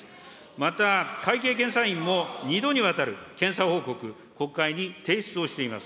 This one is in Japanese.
また、会計検査院も２度にわたる検査報告、国会に提出をしています。